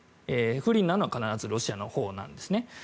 不利になるのは必ずロシアのほうなんですね。